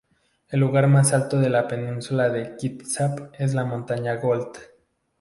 El lugar más alto de la península de Kitsap es la montaña Gold.